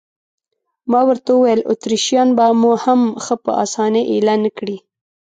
ما ورته وویل: اتریشیان به مو هم ښه په اسانۍ اېله نه کړي.